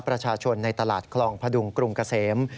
ประชาชนในตลาดคลองพดุงกรุงเกษม